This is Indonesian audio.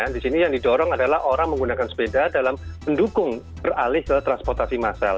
di sini yang didorong adalah orang menggunakan sepeda dalam mendukung beralih ke transportasi massal